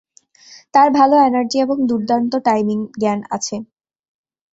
তার ভাল এনার্জি এবং দুর্দান্ত টাইমিং জ্ঞান আছে।